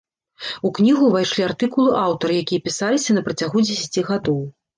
У кнігу ўвайшлі артыкулы аўтара, якія пісаліся на працягу дзесяці гадоў.